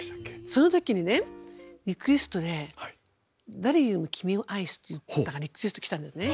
そのときにねリクエストで「誰よりも君を愛す」っていう歌がリクエスト来たんですね。